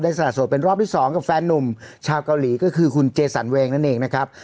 สละโสดเป็นรอบที่๒กับแฟนนุ่มชาวเกาหลีก็คือคุณเจสันเวงนั่นเองนะครับ